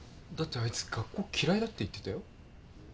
だってあいつ学校嫌いだって言ってたよ。